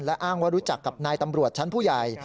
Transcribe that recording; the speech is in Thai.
และอ้างว่ารู้จักกับนายตำรวจชั้นผู้ใหญ่